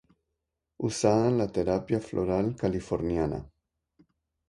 Usada en la Terapia floral californiana.